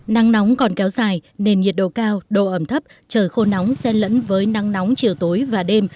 nắng nóng còn kéo dài nền nhiệt độ cao độ ẩm thấp trời khô nóng xen lẫn với nắng nóng chiều tối và đêm